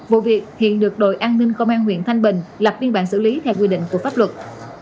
vụ việc hiện được đội an ninh công an huyện thanh bình lập biên bản xử lý theo quy định của pháp luật